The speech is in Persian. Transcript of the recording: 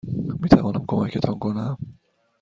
میتوانم کمکتان کنم؟